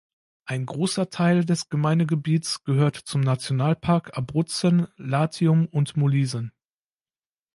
Ein großer Teil des Gemeindegebiets gehört zum Nationalpark Abruzzen, Latium und Molise.